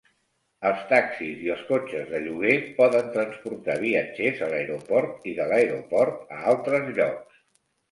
Els taxis i els cotxes de lloguer poden transportar viatgers a l'aeroport, i de l'aeroport a altres llocs.